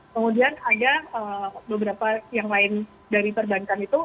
kemudian ada beberapa yang lain dari perbankan itu